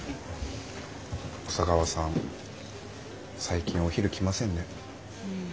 小佐川さん最近お昼来ませんね。